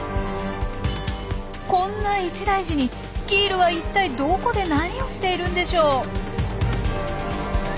こんな一大事にキールは一体どこで何をしているんでしょう？